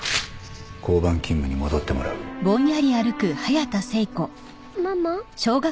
交番勤務に戻ってもらうママ？